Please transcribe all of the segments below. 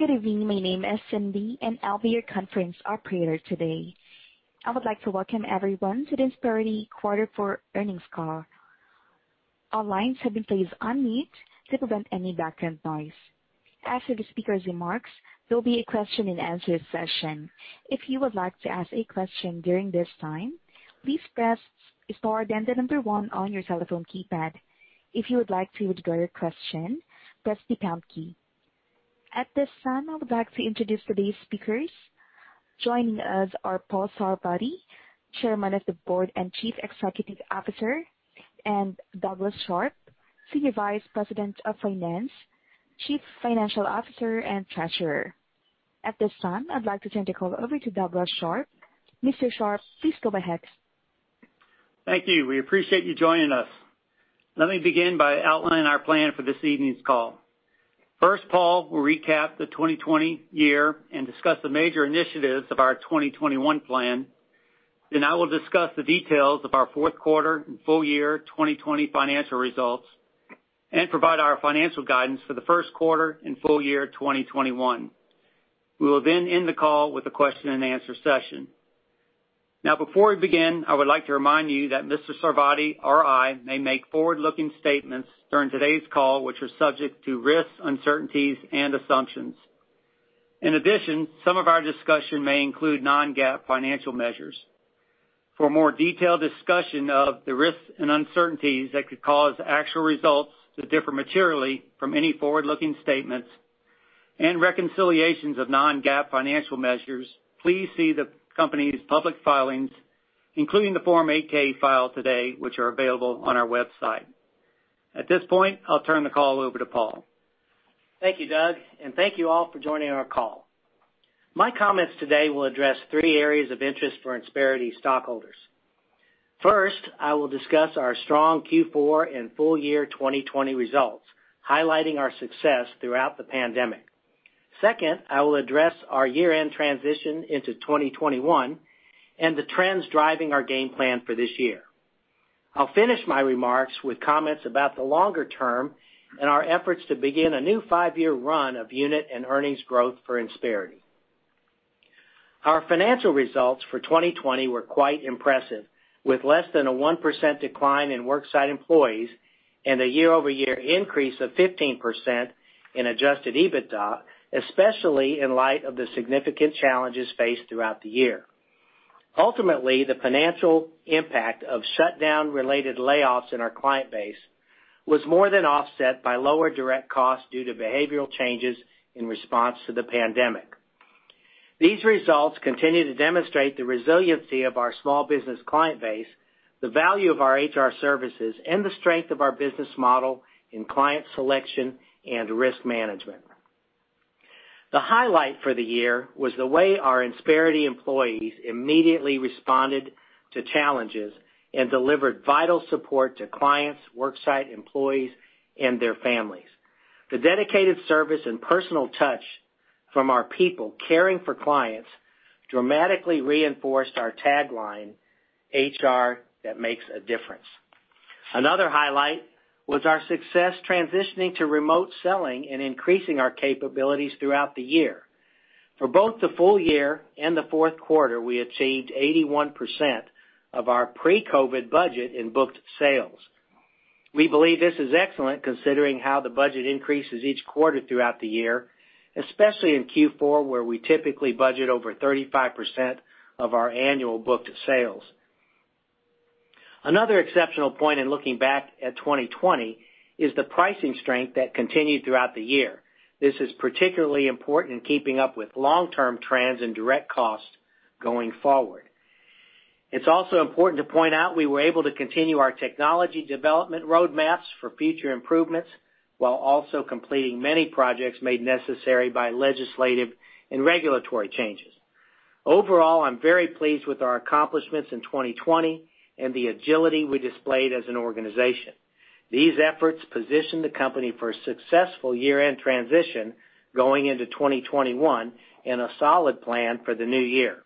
Good evening. My name is Cindy, and I'll be your conference operator today. I would like to welcome everyone to the Insperity Quarter Four Earnings Call. All lines have been placed on mute to prevent any background noise. After the speaker's remarks, there'll be a question and answer session. If you would like to ask a question during this time, please press star, then the number 1 on your telephone keypad. If you would like to withdraw your question, press the pound key. At this time, I would like to introduce today's speakers. Joining us are Paul Sarvadi, Chairman of the Board and Chief Executive Officer, and Douglas Sharp, Senior Vice President of Finance, Chief Financial Officer, and Treasurer. At this time, I'd like to turn the call over to Douglas Sharp. Mr. Sharp, please go ahead. Thank you. We appreciate you joining us. Let me begin by outlining our plan for this evening's call. First, Paul will recap the 2020 and discuss the major initiatives of our 2021 plan. I will discuss the details of our Q4 and full year 2020 financial results and provide our financial guidance for the Q1 and full year 2021. We will end the call with a question and answer session. Before we begin, I would like to remind you that Mr. Sarvadi or I may make forward-looking statements during today's call, which are subject to risks, uncertainties, and assumptions. Some of our discussion may include non-GAAP financial measures. For a more detailed discussion of the risks and uncertainties that could cause actual results to differ materially from any forward-looking statements and reconciliations of non-GAAP financial measures, please see the company's public filings, including the Form 8-K filed today, which are available on our website. At this point, I'll turn the call over to Paul. Thank you, Doug, and thank you all for joining our call. My comments today will address three areas of interest for Insperity stockholders. First, I will discuss our strong Q4 and full year 2020 results, highlighting our success throughout the pandemic. Second, I will address our year-end transition into 2021 and the trends driving our game plan for this year. I'll finish my remarks with comments about the longer term and our efforts to begin a new five-year run of unit and earnings growth for Insperity. Our financial results for 2020 were quite impressive, with less than a 1% decline in worksite employees and a year-over-year increase of 15% in adjusted EBITDA, especially in light of the significant challenges faced throughout the year. Ultimately, the financial impact of shutdown related layoffs in our client base was more than offset by lower direct costs due to behavioral changes in response to the pandemic. These results continue to demonstrate the resiliency of our small business client base, the value of our HR services, and the strength of our business model in client selection and risk management. The highlight for the year was the way our Insperity employees immediately responded to challenges and delivered vital support to clients, worksite employees, and their families. The dedicated service and personal touch from our people caring for clients dramatically reinforced our tagline, HR that makes a difference. Another highlight was our success transitioning to remote selling and increasing our capabilities throughout the year. For both the full year and the Q4, we achieved 81% of our pre-COVID-19 budget in booked sales. We believe this is excellent considering how the budget increases each quarter throughout the year, especially in Q4, where we typically budget over 35% of our annual booked sales. Another exceptional point in looking back at 2020 is the pricing strength that continued throughout the year. This is particularly important in keeping up with long-term trends and direct costs going forward. It's also important to point out we were able to continue our technology development roadmaps for future improvements while also completing many projects made necessary by legislative and regulatory changes. Overall, I'm very pleased with our accomplishments in 2020 and the agility we displayed as an organization. These efforts position the company for a successful year-end transition going into 2021 and a solid plan for the new year.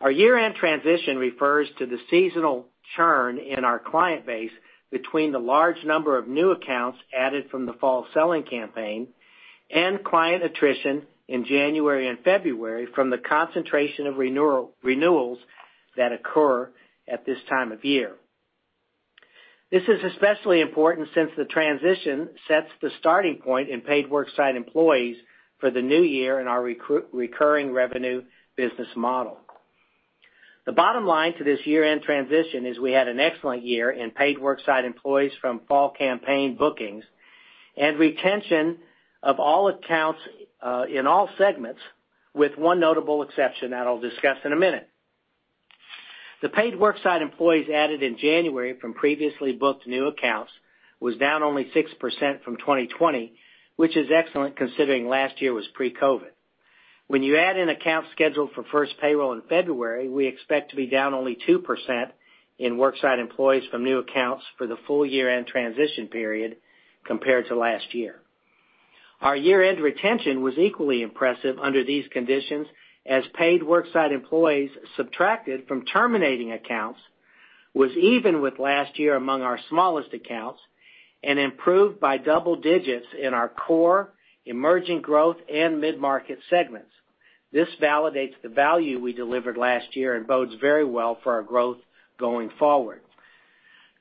Our year-end transition refers to the seasonal churn in our client base between the large number of new accounts added from the fall selling campaign and client attrition in January and February from the concentration of renewals that occur at this time of year. This is especially important since the transition sets the starting point in paid worksite employees for the new year and our recurring revenue business model. The bottom line to this year-end transition is we had an excellent year in paid worksite employees from fall campaign bookings and retention of all accounts in all segments with one notable exception that I'll discuss in a minute. The paid worksite employees added in January from previously booked new accounts was down only 6% from 2020, which is excellent considering last year was pre-COVID. When you add in accounts scheduled for first payroll in February, we expect to be down only 2% in worksite employees from new accounts for the full year-end transition period compared to last year. Our year-end retention was equally impressive under these conditions, as paid worksite employees subtracted from terminating accounts was even with last year among our smallest accounts and improved by double digits in our core, emerging growth, and mid-market segments. This validates the value we delivered last year and bodes very well for our growth going forward.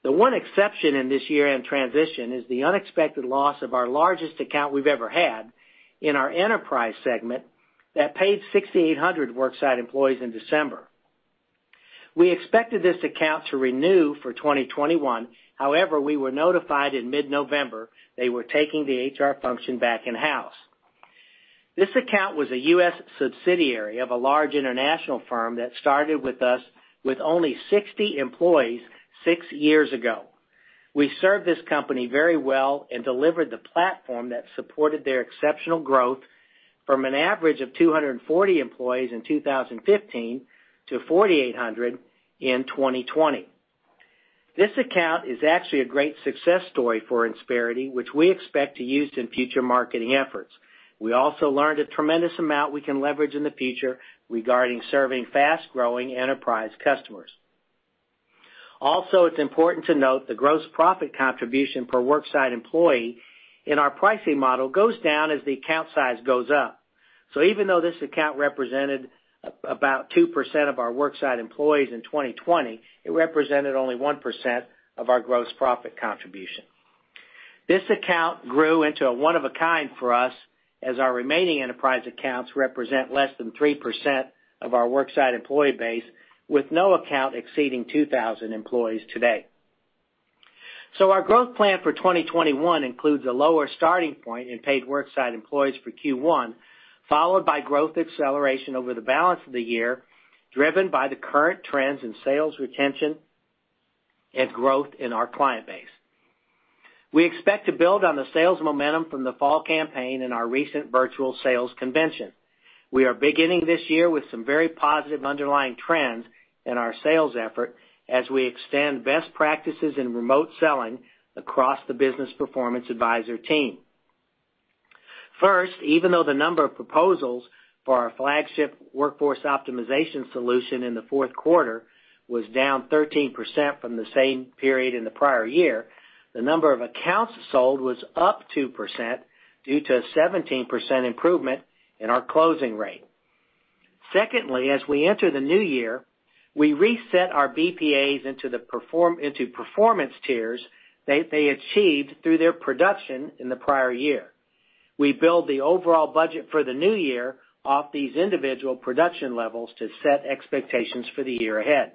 The one exception in this year in transition is the unexpected loss of our largest account we've ever had in our enterprise segment that paid 6,800 worksite employees in December. We expected this account to renew for 2021. We were notified in mid-November they were taking the HR function back in-house. This account was a U.S. subsidiary of a large international firm that started with us with only 60 employees six years ago. We served this company very well and delivered the platform that supported their exceptional growth from an average of 240 employees in 2015 to 4,800 in 2020. This account is actually a great success story for Insperity, which we expect to use in future marketing efforts. We also learned a tremendous amount we can leverage in the future regarding serving fast-growing enterprise customers. Also, it's important to note the gross profit contribution per worksite employee in our pricing model goes down as the account size goes up. Even though this account represented about 2% of our worksite employees in 2020, it represented only 1% of our gross profit contribution. This account grew into a one of a kind for us as our remaining enterprise accounts represent less than 3% of our worksite employee base, with no account exceeding 2,000 employees today. Our growth plan for 2021 includes a lower starting point in paid worksite employees for Q1, followed by growth acceleration over the balance of the year, driven by the current trends in sales retention and growth in our client base. We expect to build on the sales momentum from the fall campaign and our recent virtual sales convention. We are beginning this year with some very positive underlying trends in our sales effort as we extend best practices in remote selling across the business performance advisor team. First, even though the number of proposals for our flagship Workforce Optimization solution in the Q4 was down 13% from the same period in the prior year, the number of accounts sold was up 2% due to a 17% improvement in our closing rate. Secondly, as we enter the new year, we reset our BPAs into performance tiers they achieved through their production in the prior year. We build the overall budget for the new year off these individual production levels to set expectations for the year ahead.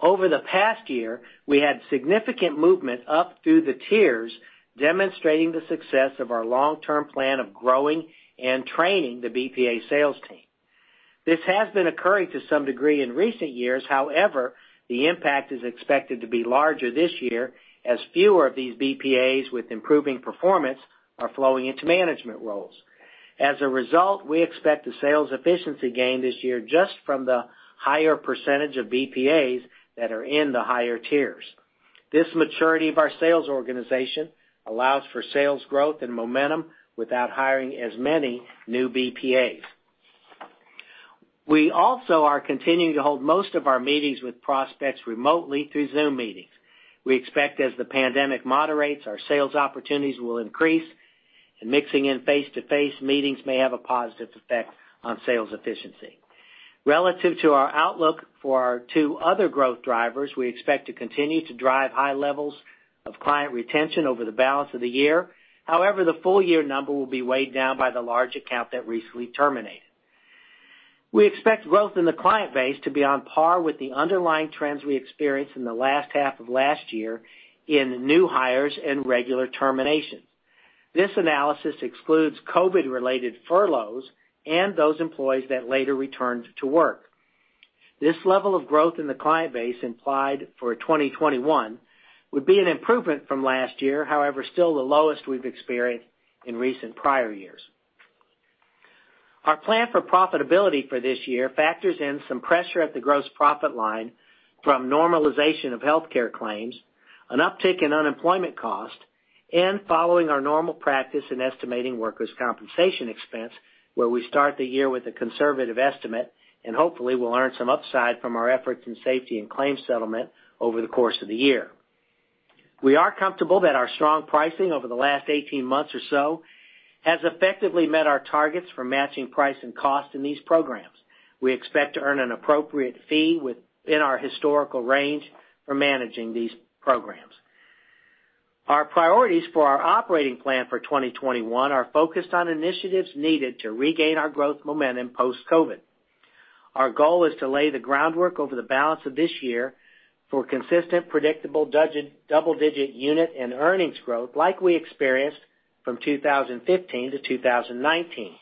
Over the past year, we had significant movement up through the tiers, demonstrating the success of our long-term plan of growing and training the BPA sales team. This has been occurring to some degree in recent years. However, the impact is expected to be larger this year, as fewer of these BPAs with improving performance are flowing into management roles. As a result, we expect a sales efficiency gain this year just from the higher percentage of BPAs that are in the higher tiers. This maturity of our sales organization allows for sales growth and momentum without hiring as many new BPAs. We also are continuing to hold most of our meetings with prospects remotely through Zoom meetings. We expect as the pandemic moderates, our sales opportunities will increase, and mixing in face-to-face meetings may have a positive effect on sales efficiency. Relative to our outlook for our two other growth drivers, we expect to continue to drive high levels of client retention over the balance of the year. However, the full-year number will be weighed down by the large account that recently terminated. We expect growth in the client base to be on par with the underlying trends we experienced in the last half of last year in new hires and regular terminations. This analysis excludes COVID-related furloughs and those employees that later returned to work. This level of growth in the client base implied for 2021 would be an improvement from last year, however, still the lowest we've experienced in recent prior years. Our plan for profitability for this year factors in some pressure at the gross profit line from normalization of healthcare claims, an uptick in unemployment cost, and following our normal practice in estimating workers' compensation expense, where we start the year with a conservative estimate, and hopefully we'll earn some upside from our efforts in safety and claims settlement over the course of the year. We are comfortable that our strong pricing over the last 18 months or so has effectively met our targets for matching price and cost in these programs. We expect to earn an appropriate fee within our historical range for managing these programs. Our priorities for our operating plan for 2021 are focused on initiatives needed to regain our growth momentum post-COVID. Our goal is to lay the groundwork over the balance of this year for consistent, predictable double-digit unit and earnings growth like we experienced from 2015 to 2019.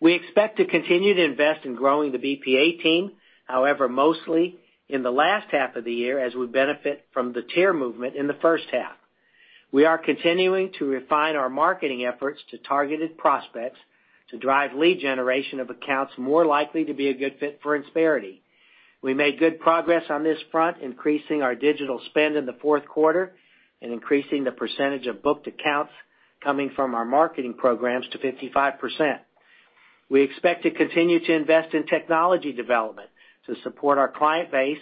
We expect to continue to invest in growing the BPA team, however, mostly in the last half of the year as we benefit from the tier movement in the first half. We are continuing to refine our marketing efforts to targeted prospects to drive lead generation of accounts more likely to be a good fit for Insperity. We made good progress on this front, increasing our digital spend in the Q4 and increasing the percentage of booked accounts coming from our marketing programs to 55%. We expect to continue to invest in technology development to support our client base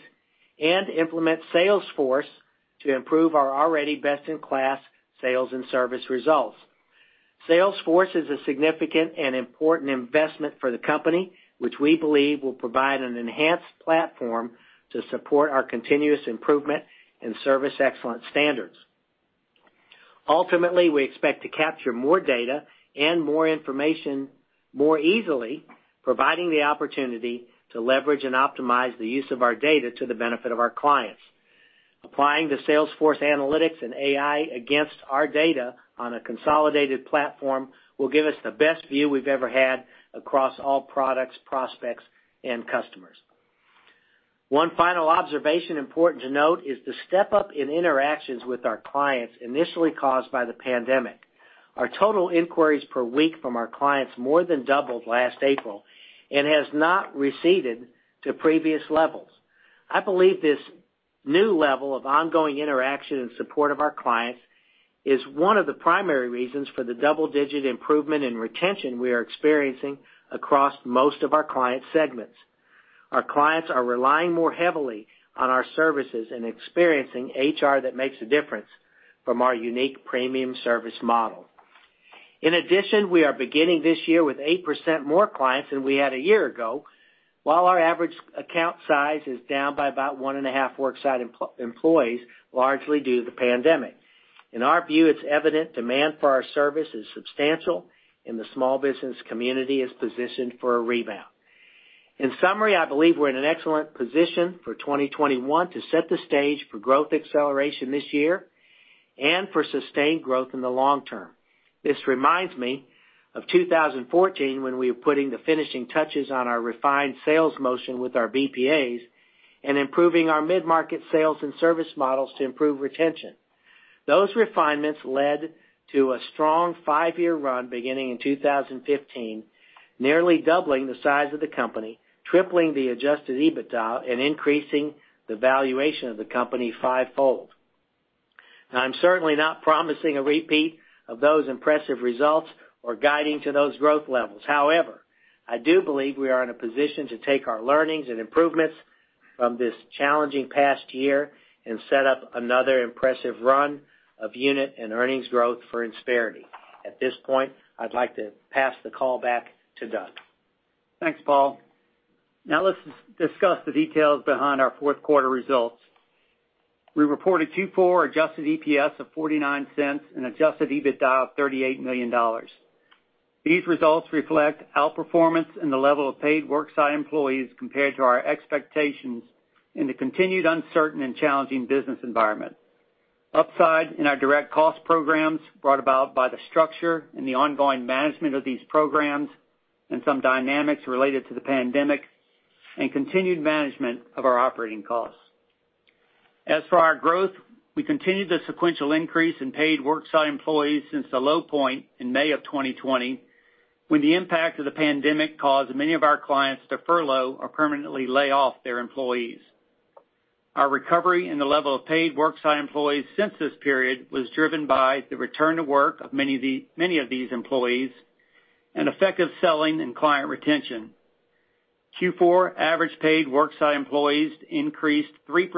and implement Salesforce to improve our already best-in-class sales and service results. Salesforce is a significant and important investment for the company, which we believe will provide an enhanced platform to support our continuous improvement in service excellence standards. Ultimately, we expect to capture more data and more information more easily, providing the opportunity to leverage and optimize the use of our data to the benefit of our clients. Applying the Salesforce analytics and AI against our data on a consolidated platform will give us the best view we've ever had across all products, prospects, and customers. One final observation important to note is the step-up in interactions with our clients initially caused by the pandemic. Our total inquiries per week from our clients more than doubled last April and has not receded to previous levels. I believe this new level of ongoing interaction and support of our clients is one of the primary reasons for the double-digit improvement in retention we are experiencing across most of our client segments. Our clients are relying more heavily on our services and experiencing HR that makes a difference from our unique premium service model. In addition, we are beginning this year with 8% more clients than we had a year ago, while our average account size is down by about one and a half worksite employees, largely due to the pandemic. In our view, it's evident demand for our service is substantial, and the small business community is positioned for a rebound. In summary, I believe we're in an excellent position for 2021 to set the stage for growth acceleration this year and for sustained growth in the long term. This reminds me of 2014 when we were putting the finishing touches on our refined sales motion with our BPAs and improving our mid-market sales and service models to improve retention. Those refinements led to a strong five-year run beginning in 2015, nearly doubling the size of the company, tripling the adjusted EBITDA, and increasing the valuation of the company fivefold. Now, I'm certainly not promising a repeat of those impressive results or guiding to those growth levels. I do believe we are in a position to take our learnings and improvements from this challenging past year and set up another impressive run of unit and earnings growth for Insperity. At this point, I'd like to pass the call back to Doug. Thanks, Paul. Now let's discuss the details behind our Q4 results. We reported Q4 adjusted EPS of $0.49 and adjusted EBITDA of $38 million. These results reflect outperformance in the level of paid worksite employees compared to our expectations in the continued uncertain and challenging business environment. Upside in our direct cost programs brought about by the structure and the ongoing management of these programs and some dynamics related to the pandemic and continued management of our operating costs. As for our growth, we continued the sequential increase in paid worksite employees since the low point in May of 2020, when the impact of the pandemic caused many of our clients to furlough or permanently lay off their employees. Our recovery in the level of paid worksite employees since this period was driven by the return to work of many of these employees and effective selling and client retention. Q4 average paid worksite employees increased 3%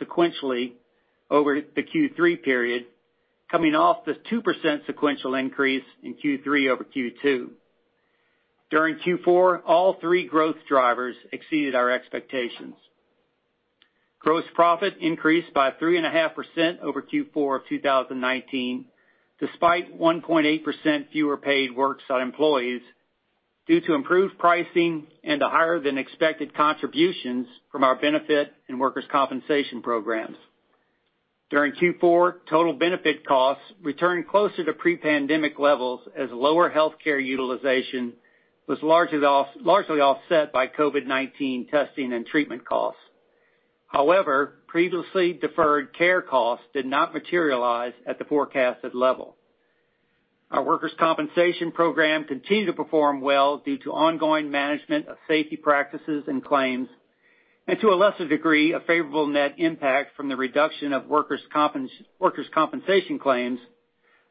sequentially over the Q3 period, coming off the 2% sequential increase in Q3 over Q2. During Q4, all three growth drivers exceeded our expectations. Gross profit increased by 3.5% over Q4 of 2019, despite 1.8% fewer paid worksite employees due to improved pricing and higher-than-expected contributions from our benefit and workers' compensation programs. During Q4, total benefit costs returned closer to pre-pandemic levels as lower healthcare utilization was largely offset by COVID-19 testing and treatment costs. However, previously deferred care costs did not materialize at the forecasted level. Our workers' compensation program continued to perform well due to ongoing management of safety practices and claims, and to a lesser degree, a favorable net impact from the reduction of workers' compensation claims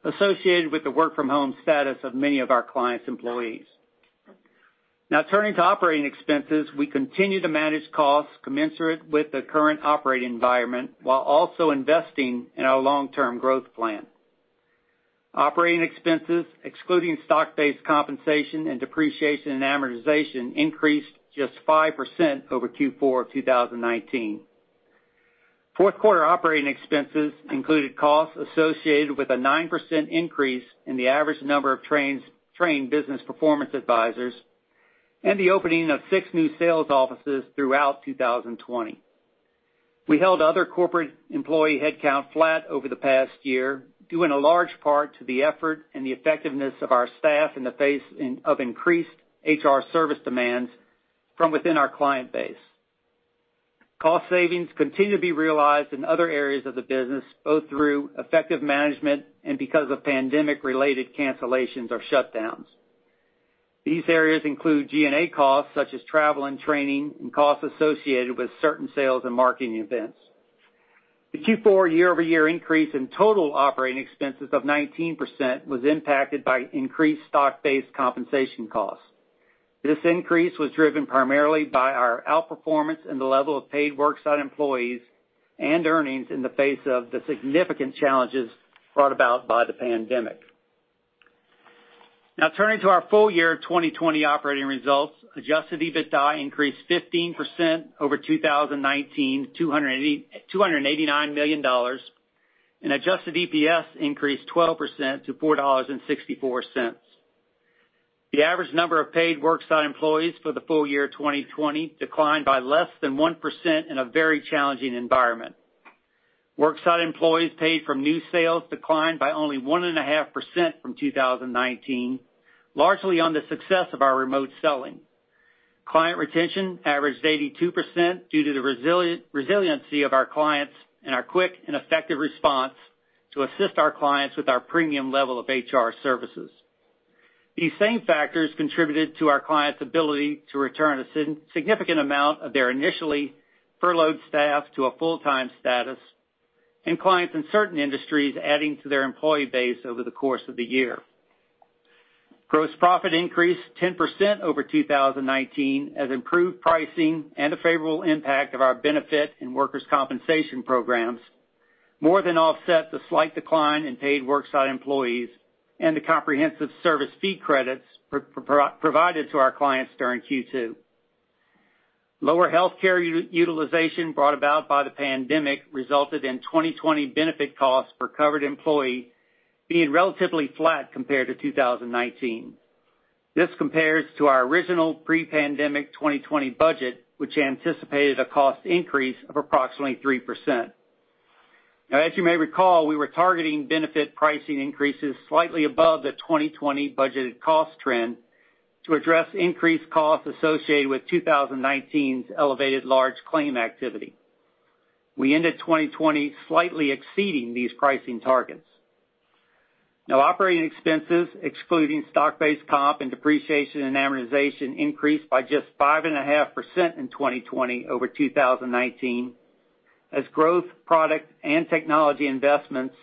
associated with the work-from-home status of many of our clients' employees. Turning to operating expenses. We continue to manage costs commensurate with the current operating environment while also investing in our long-term growth plan. Operating expenses, excluding stock-based compensation and depreciation and amortization, increased just 5% over Q4 of 2019. Q4 operating expenses included costs associated with a 9% increase in the average number of trained business performance advisors and the opening of six new sales offices throughout 2020. We held other corporate employee headcount flat over the past year, due in a large part to the effort and the effectiveness of our staff in the face of increased HR service demands from within our client base. Cost savings continue to be realized in other areas of the business, both through effective management and because of pandemic-related cancellations or shutdowns. These areas include G&A costs such as travel and training and costs associated with certain sales and marketing events. The Q4 year-over-year increase in total operating expenses of 19% was impacted by increased stock-based compensation costs. This increase was driven primarily by our outperformance in the level of paid worksite employees and earnings in the face of the significant challenges brought about by the pandemic. Turning to our full year 2020 operating results, adjusted EBITDA increased 15% over 2019, $289 million, and adjusted EPS increased 12% to $4.64. The average number of paid worksite employees for the full year 2020 declined by less than 1% in a very challenging environment. Worksite employees paid from new sales declined by only 1.5% from 2019, largely on the success of our remote selling. Client retention averaged 82% due to the resiliency of our clients and our quick and effective response to assist our clients with our premium level of HR services. These same factors contributed to our clients' ability to return a significant amount of their initially furloughed staff to a full-time status, and clients in certain industries adding to their employee base over the course of the year. Gross profit increased 10% over 2019 as improved pricing and a favorable impact of our benefit and workers' compensation programs more than offset the slight decline in paid worksite employees and the comprehensive service fee credits provided to our clients during Q2. Lower healthcare utilization brought about by the pandemic resulted in 2020 benefit costs per covered employee being relatively flat compared to 2019. This compares to our original pre-pandemic 2020 budget, which anticipated a cost increase of approximately 3%. Now, as you may recall, we were targeting benefit pricing increases slightly above the 2020 budgeted cost trend to address increased costs associated with 2019's elevated large claim activity. We ended 2020 slightly exceeding these pricing targets. Now operating expenses, excluding stock-based comp and depreciation and amortization increased by just 5.5% in 2020 over 2019 as growth product and technology investments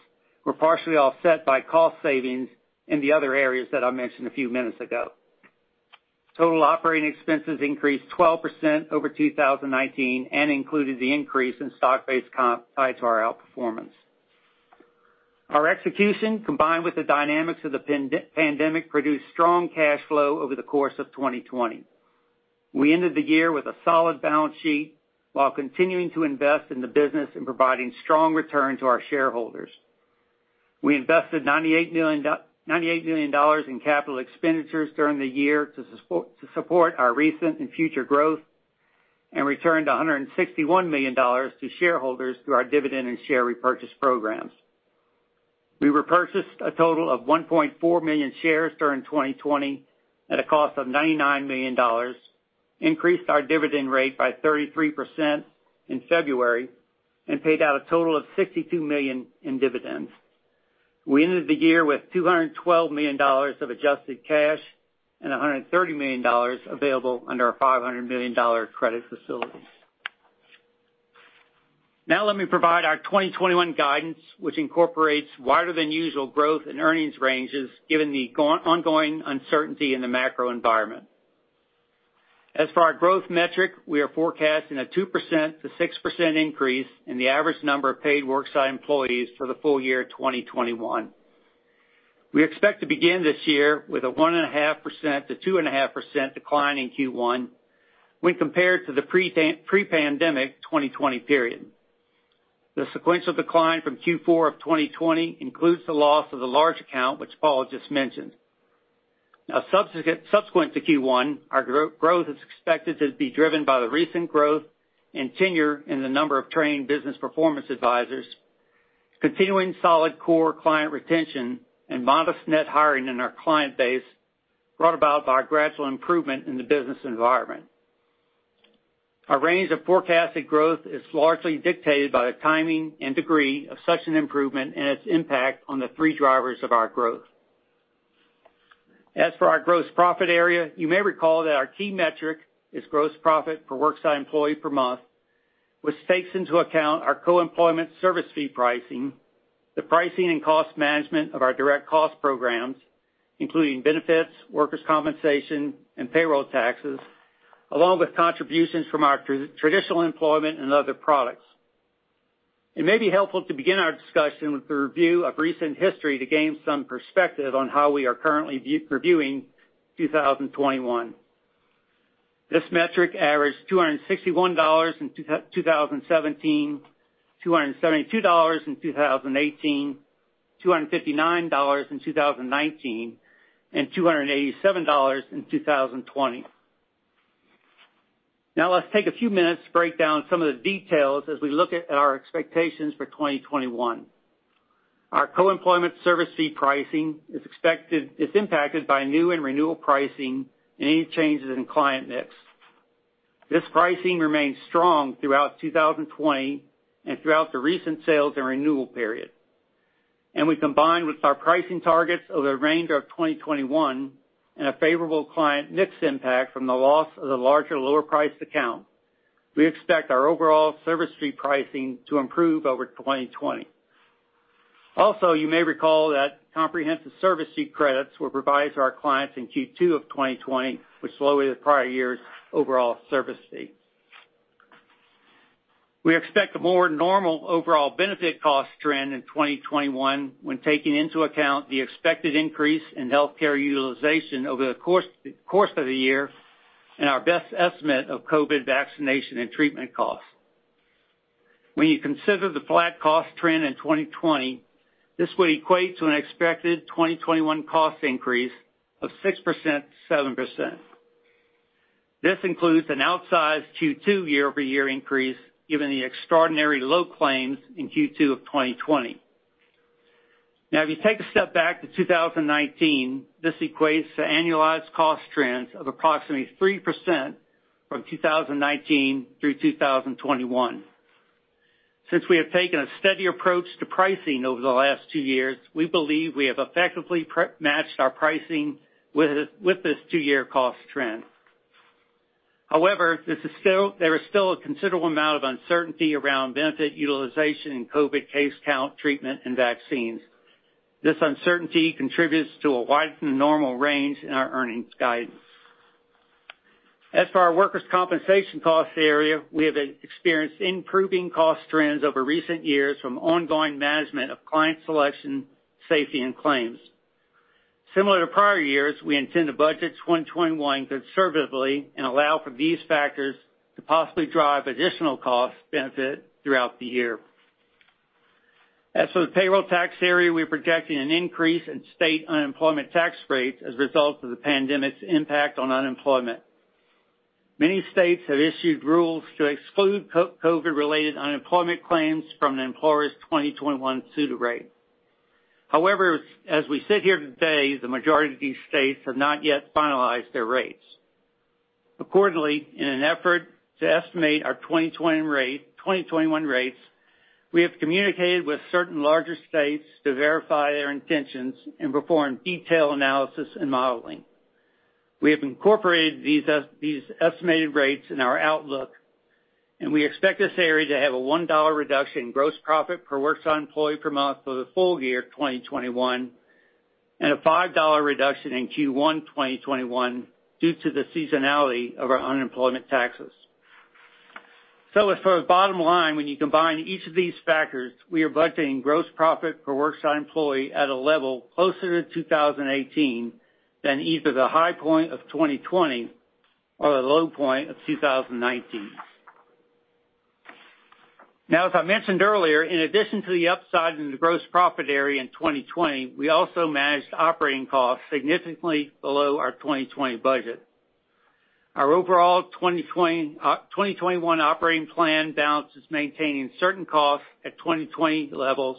were partially offset by cost savings in the other areas that I mentioned a few minutes ago. Total operating expenses increased 12% over 2019 and included the increase in stock-based comp tied to our outperformance. Our execution, combined with the dynamics of the pandemic, produced strong cash flow over the course of 2020. We ended the year with a solid balance sheet while continuing to invest in the business and providing strong return to our shareholders. We invested $98 million in capital expenditures during the year to support our recent and future growth, and returned $161 million to shareholders through our dividend and share repurchase programs. We repurchased a total of 1.4 million shares during 2020 at a cost of $99 million, increased our dividend rate by 33% in February, and paid out a total of $62 million in dividends. We ended the year with $212 million of adjusted cash and $130 million available under our $500 million credit facilities. Let me provide our 2021 guidance, which incorporates wider than usual growth in earnings ranges, given the ongoing uncertainty in the macro environment. As for our growth metric, we are forecasting a 2%-6% increase in the average number of paid worksite employees for the full year 2021. We expect to begin this year with a 1.5%-2.5% decline in Q1 when compared to the pre-pandemic 2020 period. The sequential decline from Q4 of 2020 includes the loss of the large account which Paul just mentioned. Now subsequent to Q1, our growth is expected to be driven by the recent growth and tenure in the number of trained business performance advisors, continuing solid core client retention, and modest net hiring in our client base brought about by gradual improvement in the business environment. Our range of forecasted growth is largely dictated by the timing and degree of such an improvement and its impact on the three drivers of our growth. As for our gross profit area, you may recall that our key metric is gross profit per worksite employee per month, which takes into account our co-employment service fee pricing, the pricing and cost management of our direct cost programs, including benefits, workers' compensation, and payroll taxes, along with contributions from our traditional employment and other products. It may be helpful to begin our discussion with a review of recent history to gain some perspective on how we are currently reviewing 2021. This metric averaged $261 in 2017, $272 in 2018, $259 in 2019, and $287 in 2020. Now let's take a few minutes to break down some of the details as we look at our expectations for 2021. Our co-employment service fee pricing is impacted by new and renewal pricing and any changes in client mix. This pricing remained strong throughout 2020 and throughout the recent sales and renewal period. When combined with our pricing targets over the range of 2021, and a favorable client mix impact from the loss of the larger lower priced account, we expect our overall service fee pricing to improve over 2020. Also, you may recall that comprehensive service fee credits were revised to our clients in Q2 of 2020, which lowered the prior year's overall service fee. We expect a more normal overall benefit cost trend in 2021 when taking into account the expected increase in healthcare utilization over the course of the year, and our best estimate of COVID vaccination and treatment costs. When you consider the flat cost trend in 2020, this would equate to an expected 2021 cost increase of 6%-7%. This includes an outsized Q2 year-over-year increase, given the extraordinary low claims in Q2 of 2020. If you take a step back to 2019, this equates to annualized cost trends of approximately 3% from 2019 through 2021. Since we have taken a steady approach to pricing over the last two years, we believe we have effectively matched our pricing with this two-year cost trend. There is still a considerable amount of uncertainty around benefit utilization and COVID-19 case count, treatment, and vaccines. This uncertainty contributes to a wider than normal range in our earnings guidance. As for our workers' compensation cost area, we have experienced improving cost trends over recent years from ongoing management of client selection, safety, and claims. Similar to prior years, we intend to budget 2021 conservatively and allow for these factors to possibly drive additional cost benefit throughout the year. As for the payroll tax area, we're projecting an increase in state unemployment tax rates as a result of the pandemic's impact on unemployment. Many states have issued rules to exclude COVID-related unemployment claims from an employer's 2021 SUTA rate. However, as we sit here today, the majority of these states have not yet finalized their rates. Accordingly, in an effort to estimate our 2021 rates, we have communicated with certain larger states to verify their intentions and perform detailed analysis and modeling. We have incorporated these estimated rates in our outlook, and we expect this area to have a $1 reduction in gross profit per worksite employee per month for the full year 2021, and a $5 reduction in Q1 2021 due to the seasonality of our unemployment taxes. As for our bottom line, when you combine each of these factors, we are budgeting gross profit per worksite employee at a level closer to 2018 than either the high point of 2020 or the low point of 2019. As I mentioned earlier, in addition to the upside in the gross profit area in 2020, we also managed operating costs significantly below our 2020 budget. Our overall 2021 operating plan balances maintaining certain costs at 2020 levels,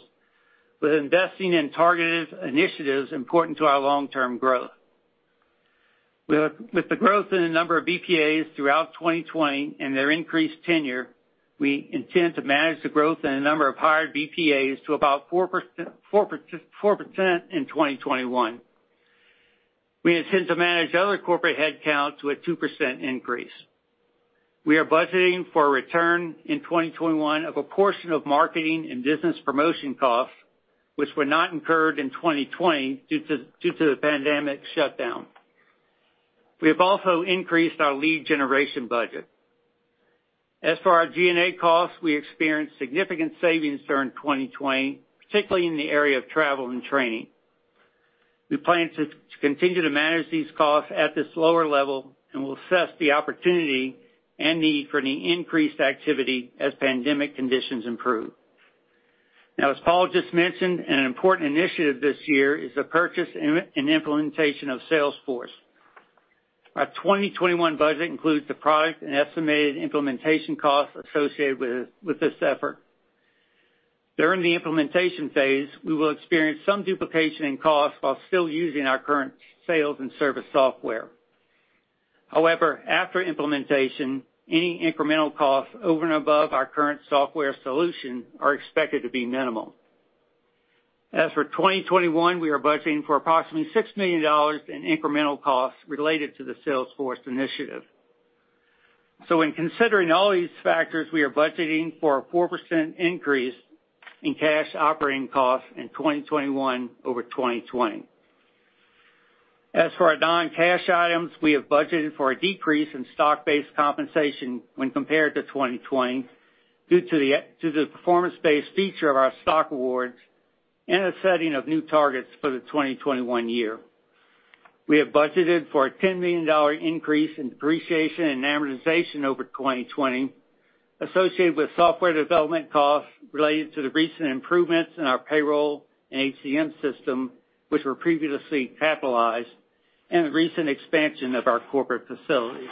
with investing in targeted initiatives important to our long-term growth. With the growth in the number of BPAs throughout 2020 and their increased tenure, we intend to manage the growth in the number of hired BPAs to about 4% in 2021. We intend to manage other corporate headcount to a 2% increase. We are budgeting for a return in 2021 of a portion of marketing and business promotion costs, which were not incurred in 2020 due to the pandemic shutdown. We have also increased our lead generation budget. As for our G&A costs, we experienced significant savings during 2020, particularly in the area of travel and training. We plan to continue to manage these costs at this lower level and will assess the opportunity and need for any increased activity as pandemic conditions improve. As Paul just mentioned, an important initiative this year is the purchase and implementation of Salesforce. Our 2021 budget includes the product and estimated implementation costs associated with this effort. During the implementation phase, we will experience some duplication in costs while still using our current sales and service software. However, after implementation, any incremental costs over and above our current software solution are expected to be minimal. As for 2021, we are budgeting for approximately $6 million in incremental costs related to the Salesforce initiative. When considering all these factors, we are budgeting for a 4% increase in cash operating costs in 2021 over 2020. As for our non-cash items, we have budgeted for a decrease in stock-based compensation when compared to 2020 due to the performance-based feature of our stock awards and a setting of new targets for the 2021 year. We have budgeted for a $10 million increase in depreciation and amortization over 2020, associated with software development costs related to the recent improvements in our payroll and HCM system, which were previously capitalized, and the recent expansion of our corporate facilities.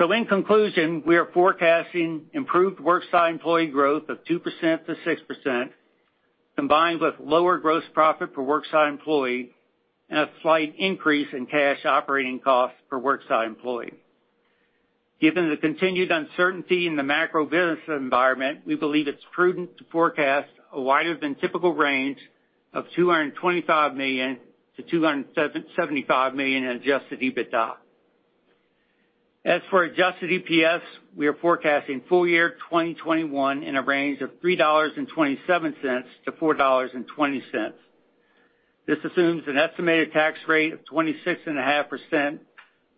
In conclusion, we are forecasting improved worksite employee growth of 2% to 6%, combined with lower gross profit per worksite employee and a slight increase in cash operating costs per worksite employee. Given the continued uncertainty in the macro business environment, we believe it's prudent to forecast a wider than typical range of $225 million-$275 million in adjusted EBITDA. As for adjusted EPS, we are forecasting full year 2021 in a range of $3.27-$4.20. This assumes an estimated tax rate of 26.5%,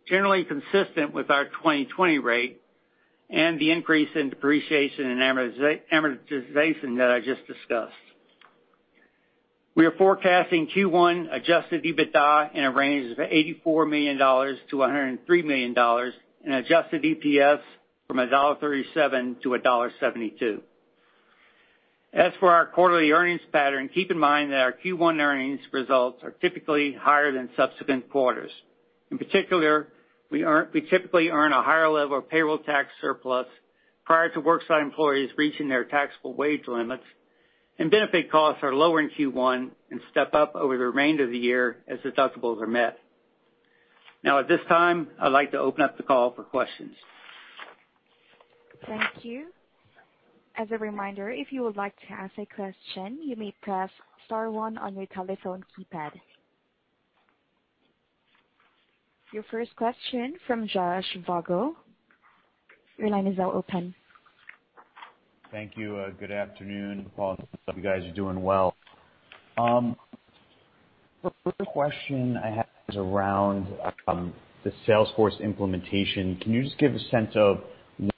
generally consistent with our 2020 rate, and the increase in depreciation and amortization that I just discussed. We are forecasting Q1 adjusted EBITDA in a range of $84 million-$103 million, and adjusted EPS from $1.37-$1.72. As for our quarterly earnings pattern, keep in mind that our Q1 earnings results are typically higher than subsequent quarters. In particular, we typically earn a higher level of payroll tax surplus prior to worksite employees reaching their taxable wage limits, and benefit costs are lower in Q1 and step up over the remainder of the year as deductibles are met. At this time, I'd like to open up the call for questions. Thank you. As a reminder, if you would like to ask a question, you may press star one on your telephone keypad. Your first question from Josh Vogel. Your line is now open. Thank you. Good afternoon, Paul. Hope you guys are doing well. The first question I have is around the Salesforce implementation. Can you just give a sense of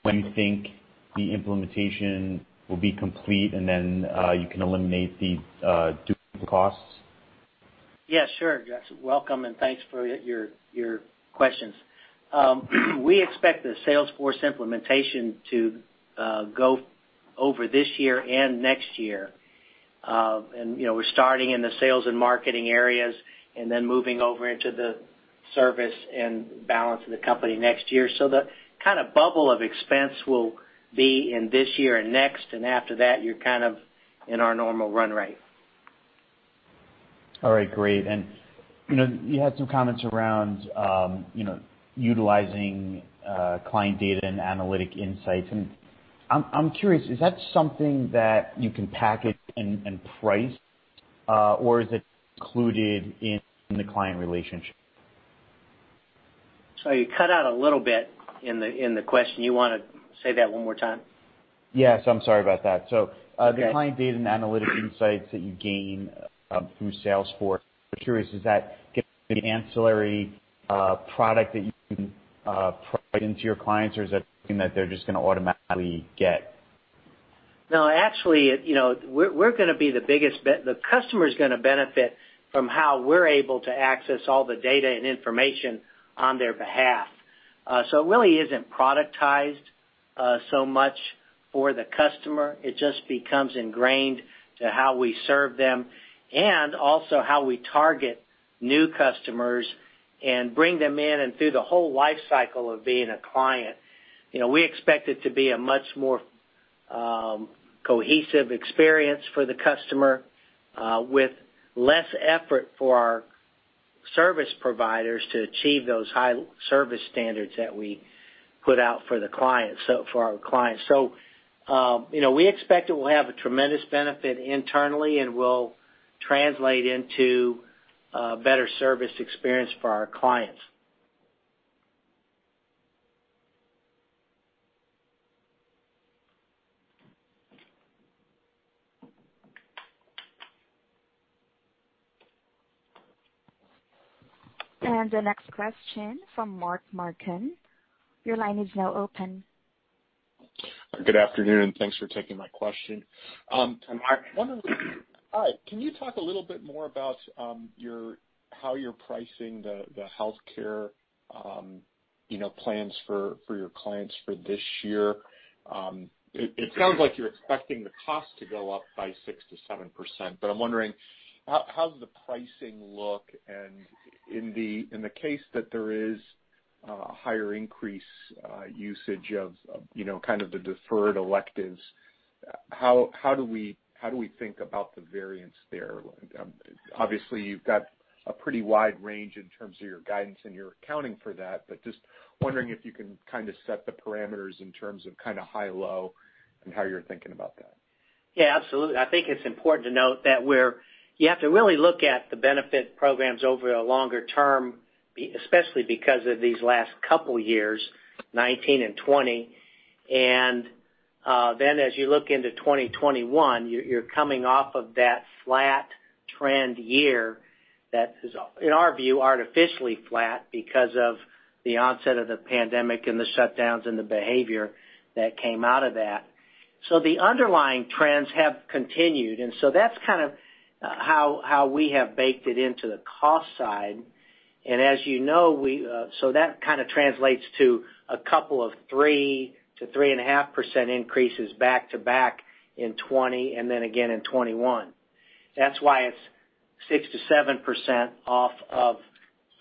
when you think the implementation will be complete, and then you can eliminate the duplicate costs? Yeah, sure, Josh. Welcome, and thanks for your questions. We expect the Salesforce implementation to go over this year and next year. We're starting in the sales and marketing areas and then moving over into the service and balance of the company next year. The kind of bubble of expense will be in this year and next, and after that, you're kind of in our normal run rate. All right, great. You had some comments around utilizing client data and analytic insights. I'm curious, is that something that you can package and price, or is it included in the client relationship? Sorry, you cut out a little bit in the question. You want to say that one more time? Yes. I'm sorry about that. Okay. The client data and analytic insights that you gain through Salesforce, I'm curious, is that going to be an ancillary product that you can provide into your clients, or is that something that they're just going to automatically get? No, actually, the customer's going to benefit from how we're able to access all the data and information on their behalf. It really isn't productized so much for the customer. It just becomes ingrained to how we serve them and also how we target new customers and bring them in and through the whole life cycle of being a client. We expect it to be a much more cohesive experience for the customer, with less effort for our service providers to achieve those high service standards that we put out for our clients. We expect it will have a tremendous benefit internally and will translate into a better service experience for our clients. The next question from Mark Marcon. Your line is now open. Good afternoon. Thanks for taking my question. Mark. Hi. Can you talk a little bit more about how you're pricing the healthcare plans for your clients for this year? It sounds like you're expecting the cost to go up by 6% to 7%, but I'm wondering, how does the pricing look? In the case that there is a higher increase usage of kind of the deferred electives, how do we think about the variance there? Obviously, you've got a pretty wide range in terms of your guidance, and you're accounting for that, but just wondering if you can kind of set the parameters in terms of kind of high-low and how you're thinking about that. Yeah, absolutely. I think it's important to note that you have to really look at the benefit programs over a longer term, especially because of these last couple years, 2019 and 2020. Then as you look into 2021, you're coming off of that flat trend year that is, in our view, artificially flat because of the onset of the pandemic and the shutdowns and the behavior that came out of that. The underlying trends have continued, so that's kind of how we have baked it into the cost side. As you know, that kind of translates to a couple of 3%-3.5% increases back-to-back in 2020 and then again in 2021. That's why it's 6%-7% off of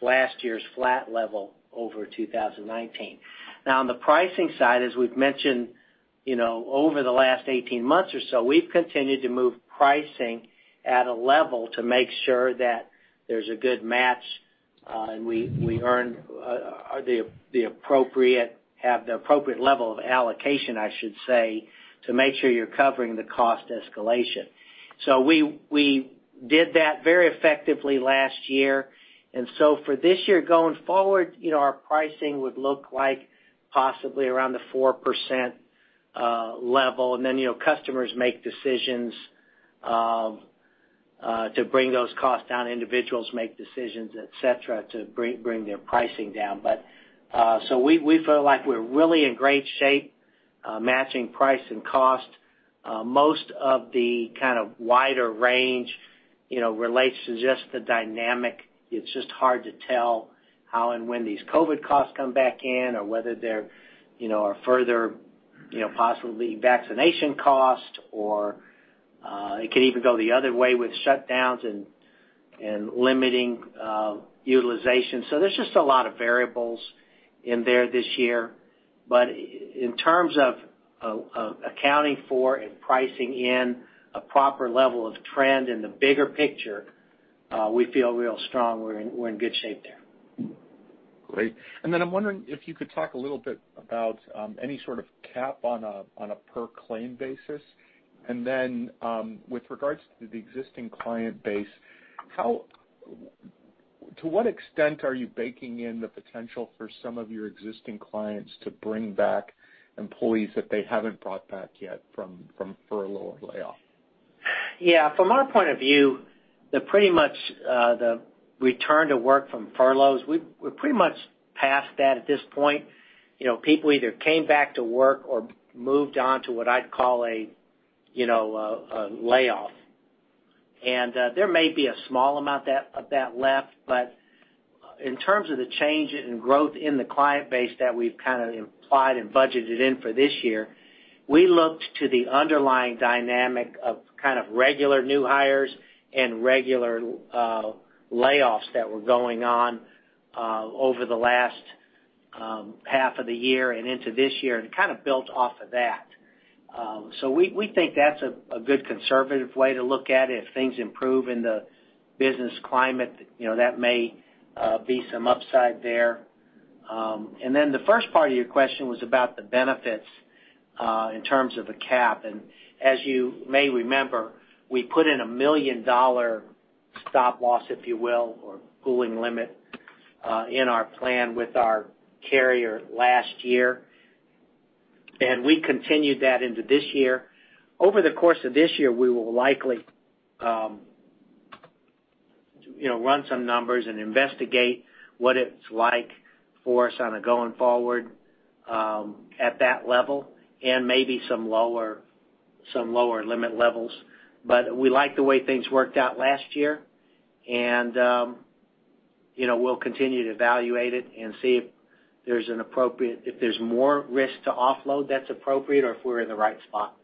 last year's flat level over 2019. On the pricing side, as we've mentioned Over the last 18 months or so, we've continued to move pricing at a level to make sure that there's a good match, and we have the appropriate level of allocation, I should say, to make sure you're covering the cost escalation. We did that very effectively last year. For this year going forward, our pricing would look like possibly around the 4% level. Then, customers make decisions to bring those costs down. Individuals make decisions, et cetera, to bring their pricing down. We feel like we're really in great shape, matching price and cost. Most of the kind of wider range relates to just the dynamic. It's just hard to tell how and when these COVID-19 costs come back in, or whether there are further, possibly vaccination costs, or it could even go the other way with shutdowns and limiting utilization. There's just a lot of variables in there this year. In terms of accounting for and pricing in a proper level of trend in the bigger picture, we feel real strong. We're in good shape there. Great. I'm wondering if you could talk a little bit about any sort of cap on a per claim basis. With regards to the existing client base, to what extent are you baking in the potential for some of your existing clients to bring back employees that they haven't brought back yet from furlough or layoff? Yeah. From our point of view, the return to work from furloughs, we're pretty much past that at this point. People either came back to work or moved on to what I'd call a layoff. There may be a small amount of that left. In terms of the change in growth in the client base that we've kind of implied and budgeted in for this year, we looked to the underlying dynamic of kind of regular new hires and regular layoffs that were going on over the last half of the year and into this year and kind of built off of that. We think that's a good conservative way to look at it. If things improve in the business climate, that may be some upside there. The first part of your question was about the benefits in terms of a cap. As you may remember, we put in a $1 million stop-loss, if you will, or pooling limit in our plan with our carrier last year. We continued that into this year. Over the course of this year, we will likely run some numbers and investigate what it's like for us on a going forward at that level and maybe some lower limit levels. We like the way things worked out last year, and we'll continue to evaluate it and see if there's more risk to offload that's appropriate or if we're in the right spot.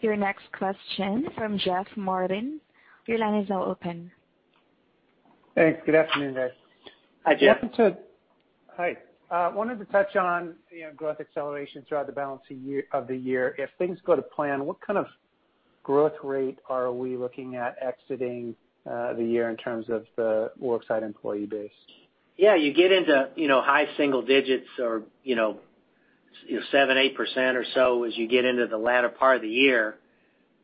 Your next question from Jeff Martin. Your line is now open. Thanks. Good afternoon, guys. Hi, Jeff. Hi. I wanted to touch on growth acceleration throughout the balance of the year. If things go to plan, what kind of growth rate are we looking at exiting the year in terms of the worksite employee base? Yeah, you get into high single digits or 7%, 8% or so as you get into the latter part of the year.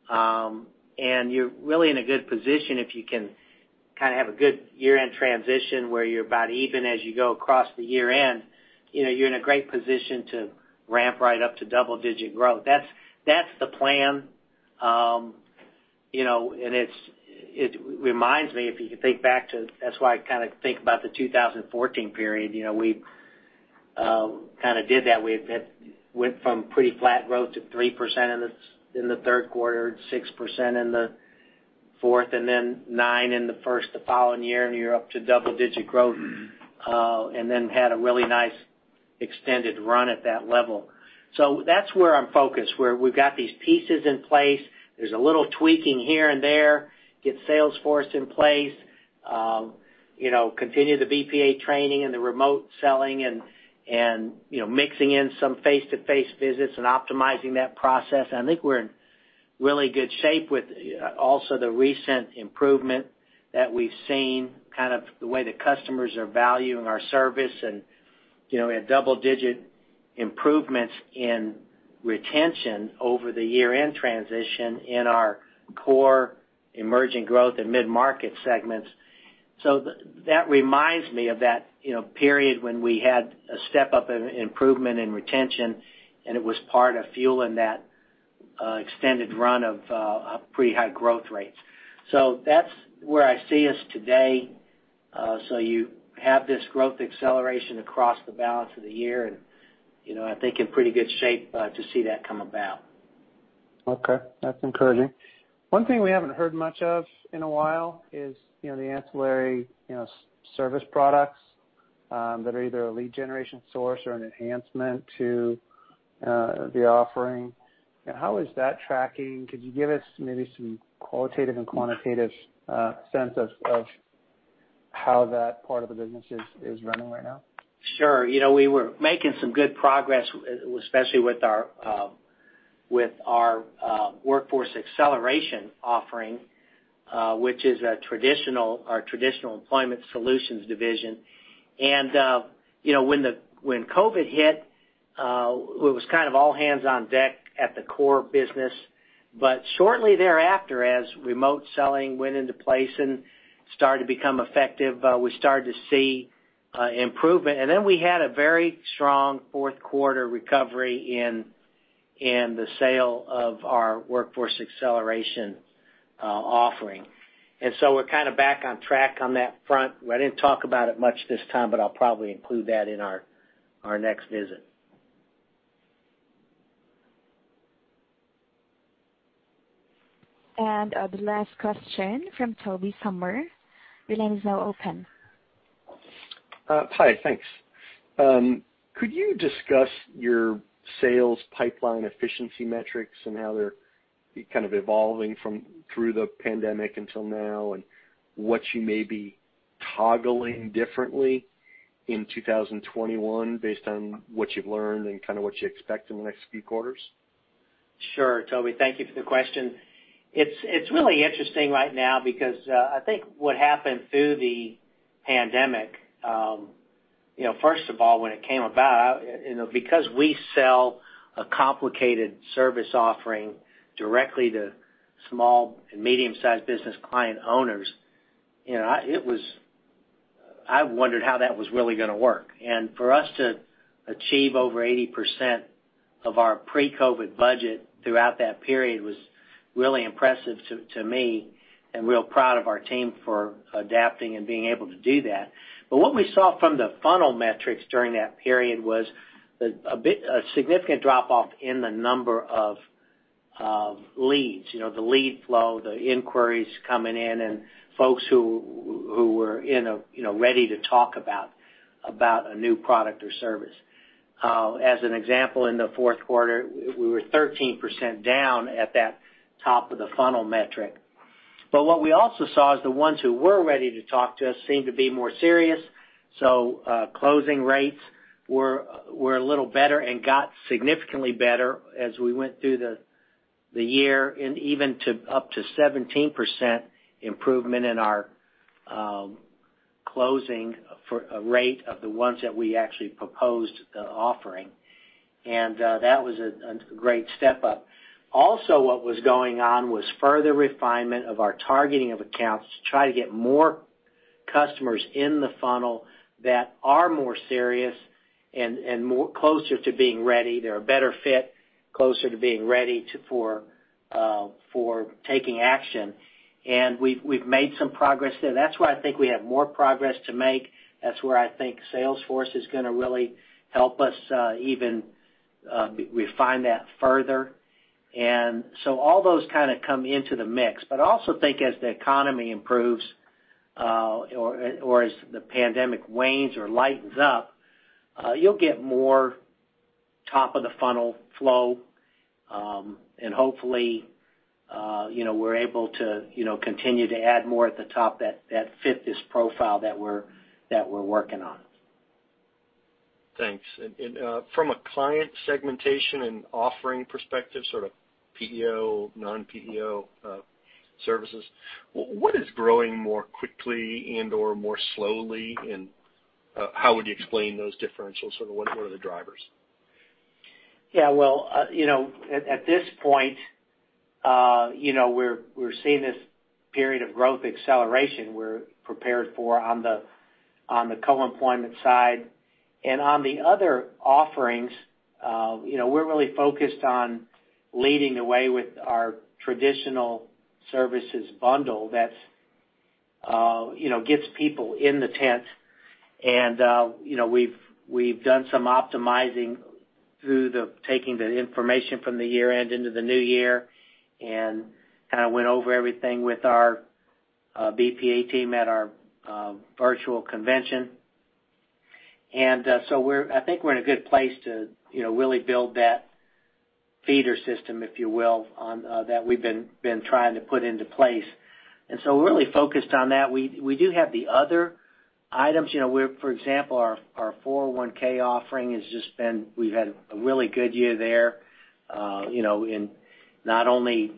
You're really in a good position if you can have a good year-end transition where you're about even as you go across the year end. You're in a great position to ramp right up to double-digit growth. That's the plan. It reminds me, if you think back to that's why I think about the 2014 period. We kind of did that. We went from pretty flat growth to 3% in the Q3, 6% in the fourth, and then 9% in the first the following year, and you're up to double-digit growth. Had a really nice extended run at that level. That's where I'm focused, where we've got these pieces in place. There's a little tweaking here and there, get Salesforce in place, continue the BPA training and the remote selling and mixing in some face-to-face visits and optimizing that process. I think we're in really good shape with also the recent improvement that we've seen, kind of the way the customers are valuing our service. We had double-digit improvements in retention over the year-end transition in our core emerging growth and mid-market segments. That reminds me of that period when we had a step up in improvement in retention, and it was part of fueling that extended run of pretty high growth rates. That's where I see us today. You have this growth acceleration across the balance of the year, and I think in pretty good shape to see that come about. Okay. That's encouraging. One thing we haven't heard much of in a while is the ancillary service products that are either a lead generation source or an enhancement to the offering. How is that tracking? Could you give us maybe some qualitative and quantitative sense of how that part of the business is running right now? Sure. We were making some good progress, especially with our Workforce Acceleration offering, which is our traditional employment solutions division. When COVID hit, it was kind of all hands on deck at the core business. Shortly thereafter, as remote selling went into place and started to become effective, we started to see improvement. Then we had a very strong Q4 recovery in the sale of our Workforce Acceleration offering. So we're kind of back on track on that front. I didn't talk about it much this time, but I'll probably include that in our next visit. The last question from Tobey Sommer. Hi, thanks. Could you discuss your sales pipeline efficiency metrics and how they're kind of evolving through the pandemic until now, and what you may be toggling differently in 2021 based on what you've learned and kind of what you expect in the next few quarters? Sure, Tobey. Thank you for the question. It's really interesting right now because I think what happened through the pandemic, first of all, when it came about, because we sell a complicated service offering directly to small and medium-sized business client owners, I wondered how that was really going to work. For us to achieve over 80% of our pre-COVID budget throughout that period was really impressive to me, and real proud of our team for adapting and being able to do that. What we saw from the funnel metrics during that period was a significant drop-off in the number of leads, the lead flow, the inquiries coming in, and folks who were ready to talk about a new product or service. As an example, in the Q4, we were 13% down at that top of the funnel metric. What we also saw is the ones who were ready to talk to us seemed to be more serious. Closing rates were a little better and got significantly better as we went through the year, and even up to 17% improvement in our closing rate of the ones that we actually proposed the offering. That was a great step up. Also, what was going on was further refinement of our targeting of accounts to try to get more customers in the funnel that are more serious and closer to being ready. They're a better fit, closer to being ready for taking action. We've made some progress there. That's why I think we have more progress to make. That's where I think Salesforce is going to really help us even refine that further. All those kind of come into the mix, but I also think as the economy improves, or as the pandemic wanes or lightens up, you'll get more top of the funnel flow. Hopefully, we're able to continue to add more at the top that fit this profile that we're working on. Thanks. From a client segmentation and offering perspective, sort of PEO, non-PEO services, what is growing more quickly and/or more slowly, and how would you explain those differentials? Sort of what are the drivers? Yeah, well, at this point, we're seeing this period of growth acceleration we're prepared for on the co-employment side. On the other offerings, we're really focused on leading the way with our traditional services bundle that gets people in the tent. We've done some optimizing through taking the information from the year-end into the new year, and kind of went over everything with our BPA team at our virtual convention. I think we're in a good place to really build that feeder system, if you will, that we've been trying to put into place. We're really focused on that. We do have the other items. For example, our 401 offering, we've had a really good year there. In not only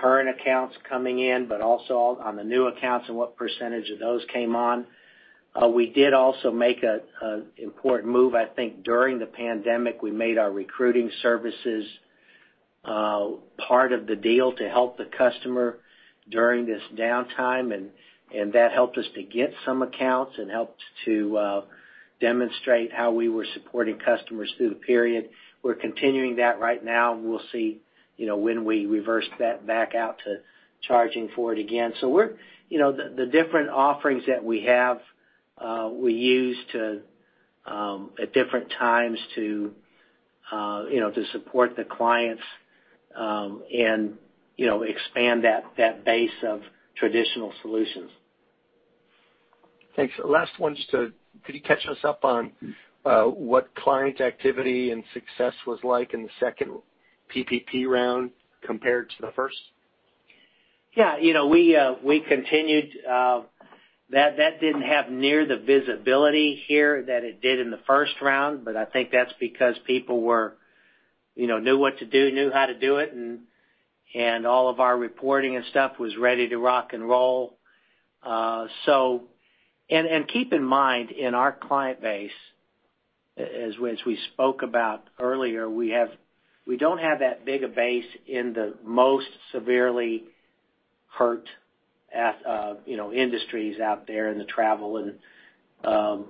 current accounts coming in, but also on the new accounts and what % of those came on. We did also make an important move, I think, during the pandemic. We made our recruiting services part of the deal to help the customer during this downtime, and that helped us to get some accounts and helped to demonstrate how we were supporting customers through the period. We're continuing that right now, and we'll see when we reverse that back out to charging for it again. The different offerings that we have, we use at different times to support the clients and expand that base of traditional solutions. Thanks. Last one, could you catch us up on what client activity and success was like in the second PPP round compared to the first? Yeah. That didn't have near the visibility here that it did in the first round. I think that's because people knew what to do, knew how to do it, and all of our reporting and stuff was ready to rock and roll. Keep in mind, in our client base, as we spoke about earlier, we don't have that big a base in the most severely hurt industries out there in the travel and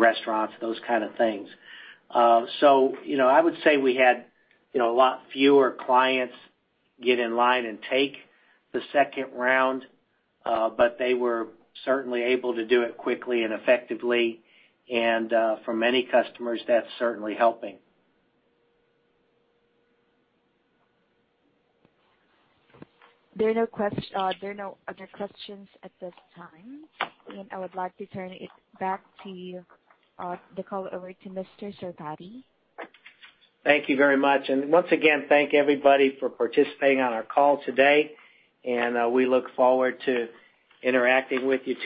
restaurants, those kind of things. I would say we had a lot fewer clients get in line and take the second round. They were certainly able to do it quickly and effectively. For many customers, that's certainly helping. There are no other questions at this time. I would like to turn the call over to Mr. Sarvadi. Thank you very much. Once again, thank everybody for participating on our call today, and we look forward to interacting with you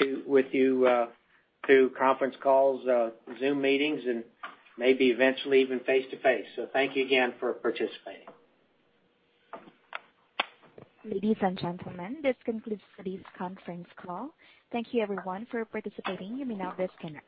through conference calls, Zoom meetings, and maybe eventually even face to face. Thank you again for participating. Ladies and gentlemen, this concludes today's conference call. Thank you everyone for participating. You may now disconnect.